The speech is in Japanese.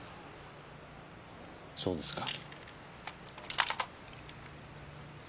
そうですか。